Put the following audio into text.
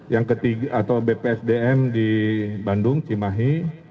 yang ketiga atau bpsdm di bandung cimahi